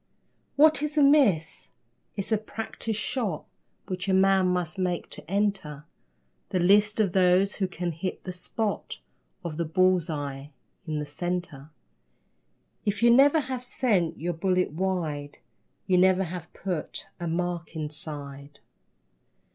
What is a miss? It's a practice shot Which a man must make to enter The list of those who can hit the spot Of the bull's eye in the centre. If you never have sent your bullet wide, You never have put a mark inside.